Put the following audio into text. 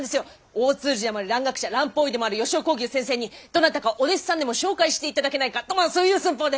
大通詞でもあり蘭学者蘭方医でもある吉雄耕牛先生にどなたかお弟子さんでも紹介して頂けないかとまぁそういう寸法で！